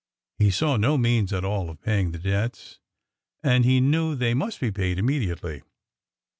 He saw no means at all of paying the debts, and he knew they must be paid immediately.